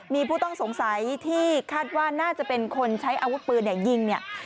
มีผู้ต้องสงสัยที่คาดว่าน่าจะเป็นคนใช้อาวุธปืนยิงเนี่ย